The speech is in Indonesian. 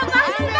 ya bang sembah